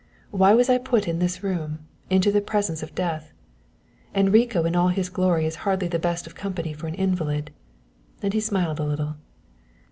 Why was I put in this room, into the presence of death? Enrico in all his glory is hardly the best of company for an invalid." And he smiled a little.